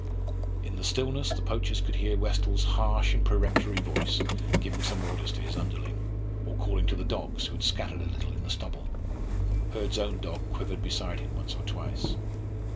In the stillness the poachers could hear Westall's harsh and peremptory voice giving some orders to his underling, or calling to the dogs, who had scattered a little in the stubble. Hurd's own dog quivered beside him once or twice.